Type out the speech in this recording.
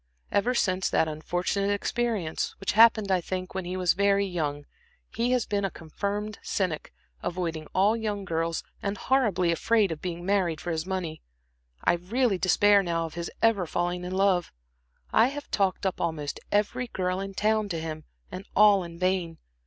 Ever since that unfortunate experience, which happened, I think, when he was very young, he has been a confirmed cynic, avoiding all young girls, and horribly afraid of being married for his money. I really despair now of his ever falling in love; I have talked up almost every girl in town to him, and all in vain.